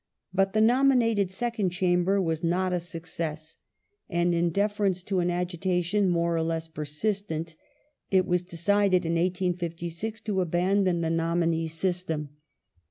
But the nominated Second Chamber was not a success, and in deference to an agitation, more or less pei sistent, it was decided, in 1856, to abandon the nominee system.